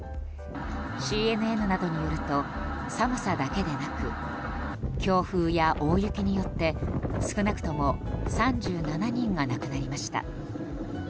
ＣＮＮなどによると寒さだけではなく強風や大雪によって、少なくとも３７人が亡くなりました。